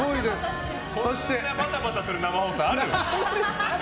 こんなバタバタする生放送ある？